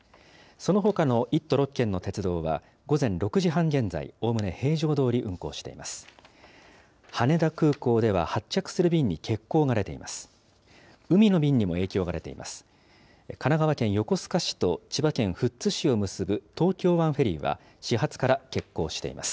そのほかの１都６県の鉄道は午前６時半現在、おおむね平常どおり運行しています。